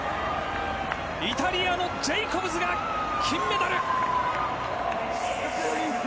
イタリアのジェイコブズが金メダル。